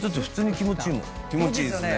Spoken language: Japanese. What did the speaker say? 気持ちいいですね。